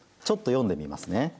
ちょっと読んでみますね。